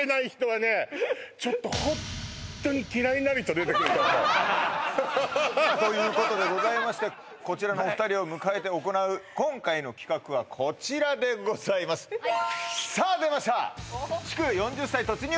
ちょっとホントに嫌いになる人出てくると思うということでございましてこちらのお二人を迎えて行う今回の企画はこちらでございますさあ出ました！